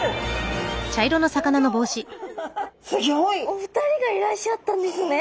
お二人がいらっしゃったんですね。